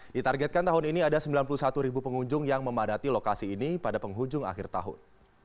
ditargetkan tahun ini ada sembilan puluh satu ribu pengunjung yang memadati lokasi ini pada penghujung akhir tahun